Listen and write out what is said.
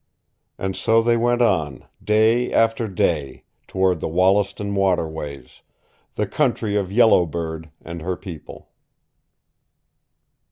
And so they went on, day after day, toward the Wollaston waterways the country of Yellow Bird and her people.